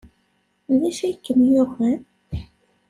D acu ay kem-yuɣen?